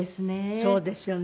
そうですよね。